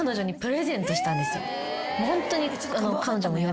ホントに。